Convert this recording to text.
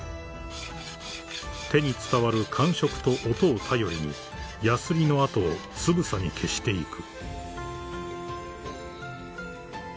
［手に伝わる感触と音を頼りにやすりの跡をつぶさに消していく］